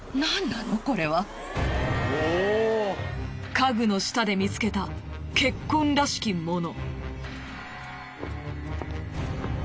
家具の下で見つけた血痕らしきもの。